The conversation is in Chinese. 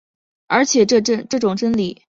且这种真理仅能由一种方法去描述。